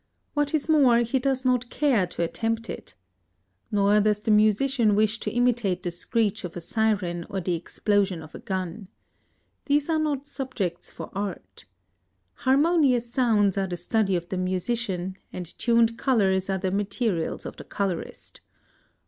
What is more, he does not care to attempt it. Nor does the musician wish to imitate the screech of a siren or the explosion of a gun. These are not subjects for art. Harmonious sounds are the study of the musician, and tuned colors are the materials of the colorist.